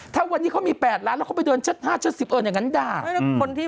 ถ้าวันนี้เขามีแปดล้านแล้วเขาไปเดินชัดห้าชัดสิบเอิญอย่างงั้นด่าคนที่